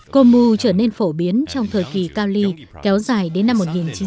công mù trở nên phổ biến trong thời kỳ cao ly kéo dài đến năm một nghìn chín trăm ba mươi hai